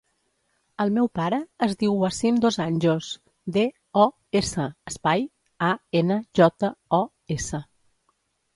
El meu pare es diu Wassim Dos Anjos: de, o, essa, espai, a, ena, jota, o, essa.